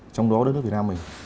trong đó đất nước việt nam mình